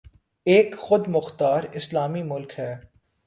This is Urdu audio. ایک خود مختار اسلامی ملک ہے